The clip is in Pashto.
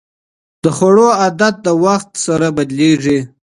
د خوړو عادتونه د وخت سره بدلېږي.